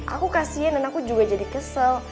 aku kasian dan aku juga jadi kesel